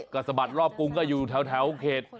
ก็สะบัดรอบกรุงก็อยู่แถวเขต